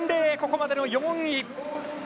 ここまでの４位。